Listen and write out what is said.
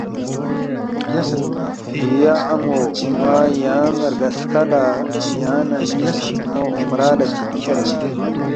”یا ان٘و اون٘ا یانگ رگسکھہ لہ یانگ نہ ن٘ی سترِنگمو عمرہ لہ چِک کھیرید